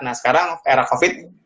nah sekarang era covid